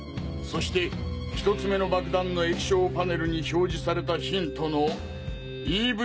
そして１つ目の爆弾の液晶パネルに表示されたヒントの「ＥＶＩＴ」。